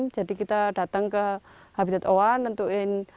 jadi kita datang ke habitat oa tentuin